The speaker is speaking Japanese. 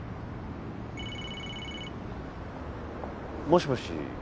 もしもし。